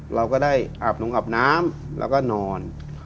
เราก็ได้อาบลงอาบน้ำแล้วก็นอน